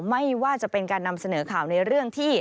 ไม่ว่าจะเป็นการนำเสนอข่าวในเรื่องที่